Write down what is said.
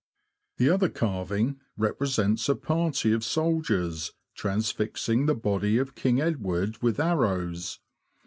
The other carving represents a party of soldiers transfixing the body of King Edward with arrows.